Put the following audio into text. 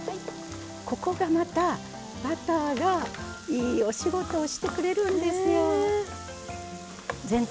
ここがまた、バターがいいお仕事をしてくれるんですよ。